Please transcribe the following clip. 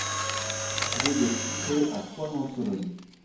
Rue des Sistrées à Soings-en-Sologne